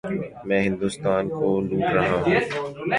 میں ہندوستان کو لوٹ رہا ہوں۔